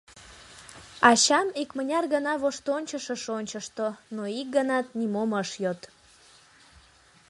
Ачам икмыняр гана воштончышыш ончышто, но ик ганат нимом ыш йод.